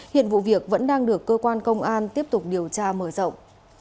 hiện vụ việc vẫn đang được cơ quan công an tiếp tục điều tra mở rộng